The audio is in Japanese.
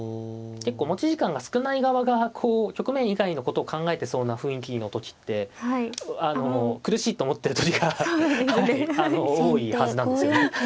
結構持ち時間が少ない側がこう局面以外のことを考えてそうな雰囲気の時ってあの苦しいと思ってる時が多いはずなんですよね。